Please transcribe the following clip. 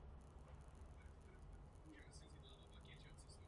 Ráda bych zdůraznila, že terorismus nemá žádné náboženství.